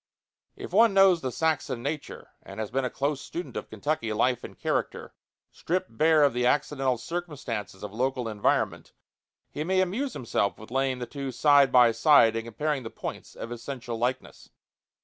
If one knows the Saxon nature, and has been a close student of Kentucky life and character, stripped bare of the accidental circumstances of local environment, he may amuse himself with laying the two side by side and comparing the points of essential likeness.